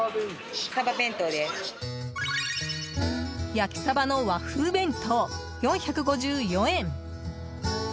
焼きサバの和風弁当、４５４円。